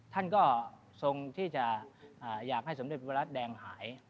ท่านก็ทรงที่จะอยากให้สมเด็จพระแดงหาย